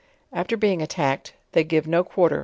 After being attacked, they give no quarter